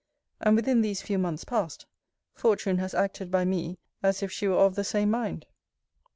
And within these few months past, Fortune has acted by me, as if she were of the same mind.